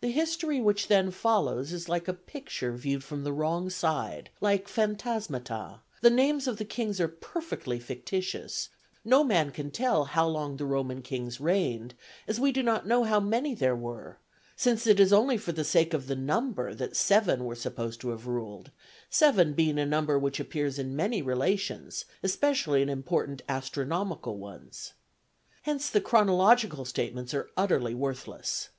The history which then follows is like a picture viewed from the wrong side, like phantasmata; the names of the kings are perfectly fictitious; no man can tell how long the Roman kings reigned, as we do not know how many there were, since it is only for the sake of the number that seven were supposed to have ruled, seven being a number which appears in many relations, especially in important astronomical ones. Hence the chronological statements are utterly worthless.